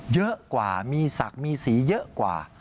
เยอะกว่ามีศักดิ์มีสีเยอะกว่า